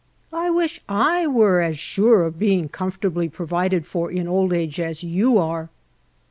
21 " I wish I was as sure of being comfortably provided for in old age as you are."